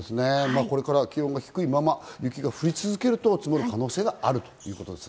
これから気温が低いまま、雪が降り続けると積もる可能性があるということですね。